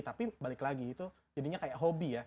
tapi balik lagi itu jadinya kayak hobi ya